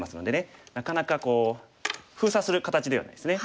なかなかこう封鎖する形ではないですね。